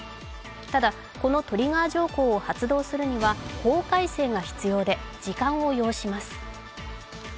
ただ、このトリガー条項を発動するには法改正が必要で、時間を要します。